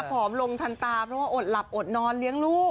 ผอมลงทันตาเพราะว่าอดหลับอดนอนเลี้ยงลูก